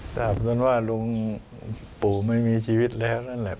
ถ้าพระท่านว่าลุงปู่ไม่มีชีวิตแล้วนั่นแหละ